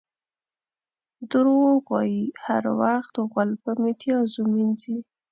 دروغ وایي؛ هر وخت غول په میتیازو مینځي.